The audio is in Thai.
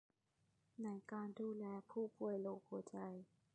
ในการดูแลผู้ป่วยโรคหัวใจ